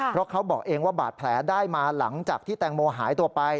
เพราะเขาบอกเองว่าบาดแผลได้มาหลังจากที่แตงโมหายตัวไป